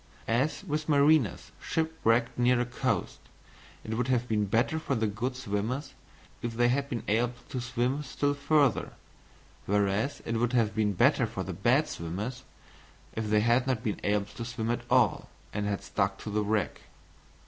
As with mariners shipwrecked near a coast, it would have been better for the good swimmers if they had been able to swim still further, whereas it would have been better for the bad swimmers if they had not been able to swim at all and had stuck to the wreck.